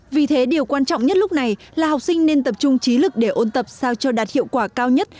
vì thế điều quan trọng nhất lúc này là học sinh nên tập trung trí lực để ôn tập sao cho đạt hiệu quả cao nhất